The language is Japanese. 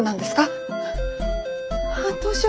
どうしよ！？